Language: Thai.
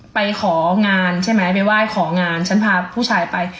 ไปของานใช่ไหมไปไหว้ของานฉันพาผู้ชายไป